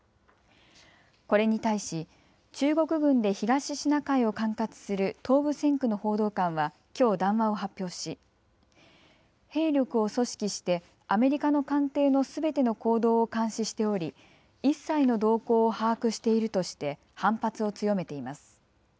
これに対し中国軍で東シナ海を管轄する東部戦区の報道官はきょう談話を発表し兵力を組織してアメリカの艦艇のすべての行動を監視しており一切の動向を把握しているとして反発を強めています。